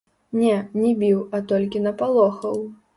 Не, не біў, а толькі напалохаў.